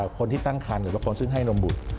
คนที่ตั้งคันหรือว่าคนซึ่งให้นมบุตร